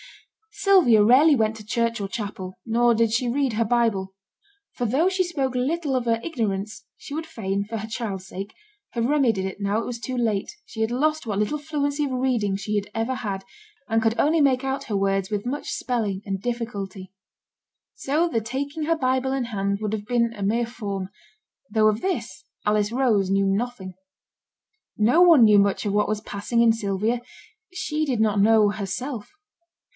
Sylvia rarely went to church or chapel, nor did she read her Bible; for though she spoke little of her ignorance, and would fain, for her child's sake, have remedied it now it was too late, she had lost what little fluency of reading she had ever had, and could only make out her words with much spelling and difficulty. So the taking her Bible in hand would have been a mere form; though of this Alice Rose knew nothing. No one knew much of what was passing in Sylvia; she did not know herself.